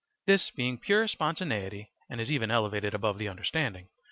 This being pure spontaneity is even elevated above the understanding.